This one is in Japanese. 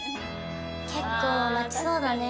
結構待ちそうだね。